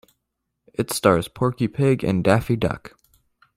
It stars Porky Pig and Daffy Duck.